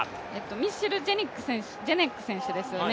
ミッシェル・ジェネック選手ですよね。